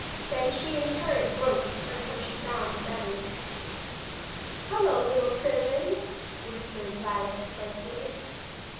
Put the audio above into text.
And then she in turn groped until she found Benny. "Hello, little Cinnamon!" whispered Violet playfully.